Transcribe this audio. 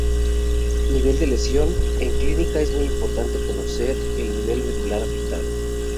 Nivel de lesión: En clínica es muy importante conocer el nivel medular afectado.